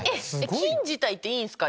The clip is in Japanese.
菌自体っていいんすか？